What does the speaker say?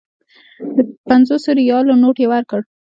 د پنځو سوو ریالو نوټ یې ورکړ.